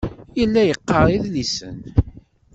Yella yeqqar idlisen.